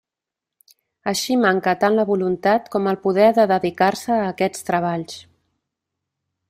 Així manca tant la voluntat com el poder de dedicar-se a aquests treballs.